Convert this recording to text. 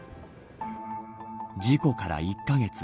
事故から１カ月。